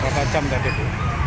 berapa jam tadi